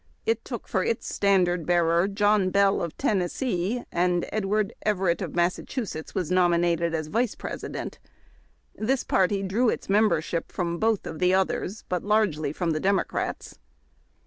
It took for its standard bearer John Bell, of Tennessee ; and Edward Everett, of Massa chusetts, was nominated as Vice President. This party drew its membership from both of the otliers, but largely from the Dem ocrats.